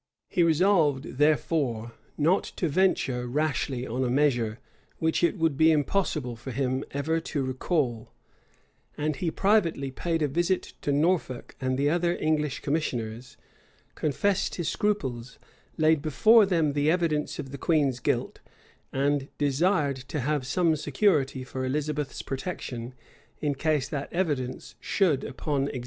[] He resolved, therefore, not to venture rashly on a measure which it would be impossible for him ever to recall; and he privately paid a visit to Norfolk and the other English commissioners, confessed his scruples, laid before them the evidence of the queen's guilt, and desired to have some security for Elizabeth's protection, in case that evidence should, upon examination, appear entirely satisfactory.